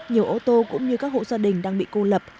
nhiều ô tô cũng như các hộ gia đình đang bị cô lập